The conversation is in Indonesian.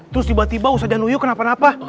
terus tiba tiba ustadz zanurul kenapa napa